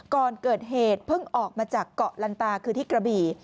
ก่อนเกิดเหตุเพิ่งออกมาจากเกาะลันตาคือที่กระบี่